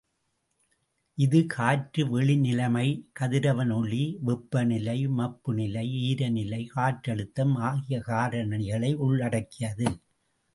இது காற்றுவெளிநிலைமை, கதிரவன் ஒளி, வெப்பநிலை, மப்புநிலை, ஈரநிலை, காற்றழுத்தம் ஆகிய காரணிகளை உள்ளடக்கியது.